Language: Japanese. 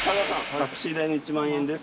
タクシー代の１万円です。